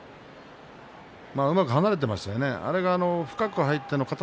うまく離れていましたね。